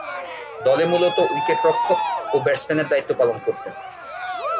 দলে মূলতঃ উইকেট-রক্ষক ও ব্যাটসম্যানের দায়িত্বে পালন করতেন।